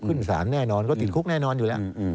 ขึ้นศาลแน่นอนก็ติดคุกแน่นอนอยู่แล้ว